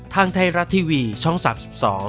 ทางไทยรัฐทีวีช่องศักดิ์๑๒